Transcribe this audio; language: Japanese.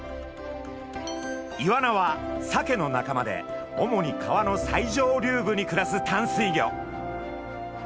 イワナはサケの仲間で主に川の最上流部に暮らす淡水魚。